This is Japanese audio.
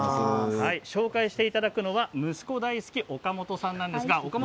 紹介していただくのは息子大好き岡元さんです。